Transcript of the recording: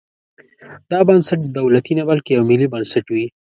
دا بنسټ دولتي نه بلکې یو ملي بنسټ وي.